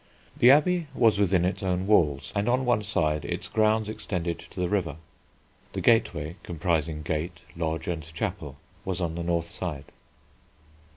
The abbey was within its own walls, and on one side its grounds extended to the river. The gateway, comprising gate, lodge, and chapel, was on the north side.